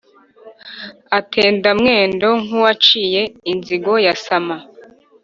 atenda mwendo nk’uwaciye inzigo ya sama.